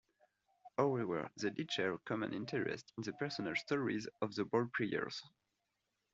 However, they did share a common interest in the personal stories of the ballplayers.